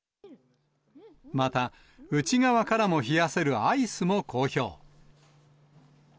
また、内側からも冷やせるアイスも好評。